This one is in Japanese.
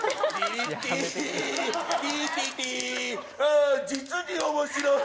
あ実に面白い。